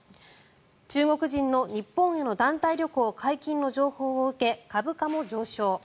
中国人の日本への団体旅行解禁の情報を受け株価も上昇。